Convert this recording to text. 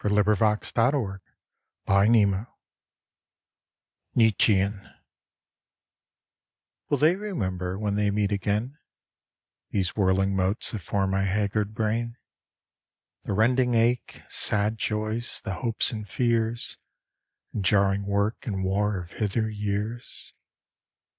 Nietzschean WILL they remember when they meet again These whirling motes that form my haggard brain The rending ache, sad joys, the hopes and fears, And jarring work and war of hither years